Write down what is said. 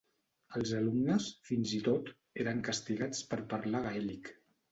Els alumnes, fins i tot, eren castigats per parlar gaèlic.